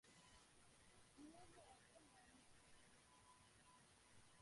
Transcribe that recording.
Dealers are also known to hire people to attend funerals specifically to obtain them.